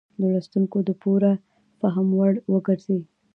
د لوستونکو د پوره فهم وړ وګرځي.